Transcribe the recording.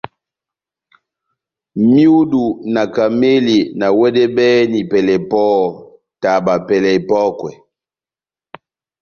Myudu na kamɛli na wɛdɛbɛhɛni pɛlɛ pɔhɔ́, taba pɛlɛ epɔ́kwɛ.